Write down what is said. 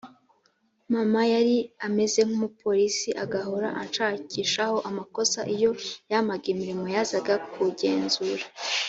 mama yari ameze nk umupolisi agahora anshakishaho amakosa iyo yampaga imirimo yazaga kugenzura